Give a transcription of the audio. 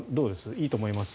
いいと思います？